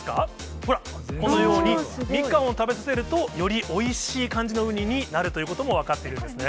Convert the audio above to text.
ほら、このように、みかんを食べさせると、よりおいしい感じのウニになるということも分かっているんですね。